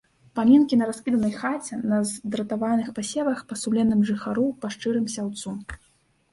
Памінкі на раскіданай хаце, на здратаваных пасевах, па сумленным жыхару, па шчырым сяўцу!